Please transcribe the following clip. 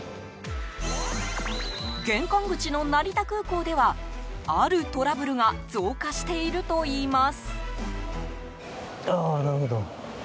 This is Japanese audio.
玄関口の成田空港ではあるトラブルが増加しているといいます。